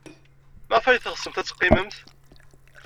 Maɣef ay teɣsem ad teqqimem?